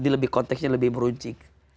lebih konteksnya lebih meruncing